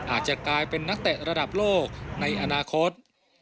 อาจจะกลายเป็นนักเตะระดับโลกในอนาคต